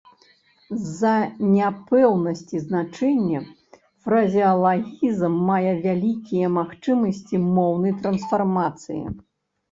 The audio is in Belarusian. З-за няпэўнасці значэння, фразеалагізм мае вялікія магчымасці моўнай трансфармацыі.